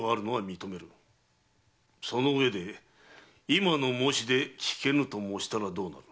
そのうえで今の申し出聞けぬと申したらどうなる？